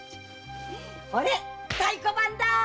ほれ太鼓判だ！